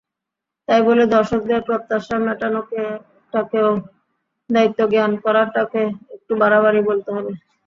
তাই বলে দর্শকদের প্রত্যাশা মেটানোটাকেও দায়িত্বজ্ঞান করাটাকে একটু বাড়াবাড়িই বলতে হবে।